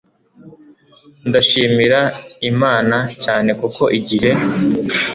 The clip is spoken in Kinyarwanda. Ndashimira Imana cyane kuko igihe